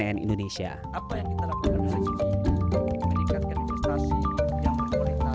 cnn indonesia apa yang kita lakukan hari ini meningkatkan investasi yang berkualitas